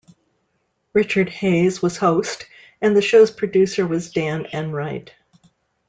Richard Hayes was host, and the show's producer was Dan Enright.